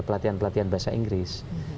pelatihan pelatihan bahasa inggris